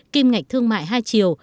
kim ngạch thương mại hai triệu